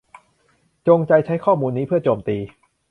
จงใจใช้ข้อมูลนี้เพื่อโจมตี